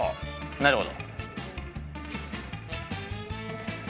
なるほど。